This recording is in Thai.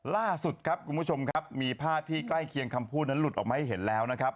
ล่าสุดครับคุณผู้ชมครับมีภาพที่ใกล้เคียงคำพูดนั้นหลุดออกมาให้เห็นแล้วนะครับ